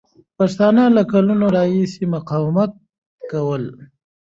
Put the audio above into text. پښتانه له کلونو راهیسې مقاومت کوله.